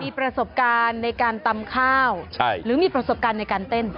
มีประสบการณ์ในการตำข้าวหรือมีประสบการณ์ในการเต้น